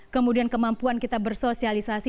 kemudian kemampuan kita bersosialisasi